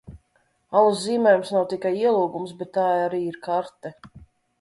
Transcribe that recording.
Alas zīmējums nav tikai ielūgums, bet tā arī ir karte!